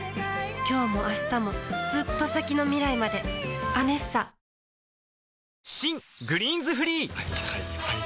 きょうもあしたもずっと先の未来まで「ＡＮＥＳＳＡ」新「グリーンズフリー」はいはいはいはい。